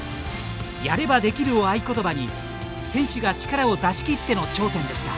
「やれば出来る」を合いことばに選手が力を出し切っての頂点でした。